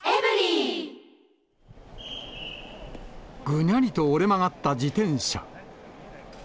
ぐにゃりと折れ曲がった自転車。